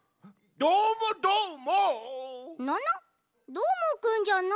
どーもくんじゃない？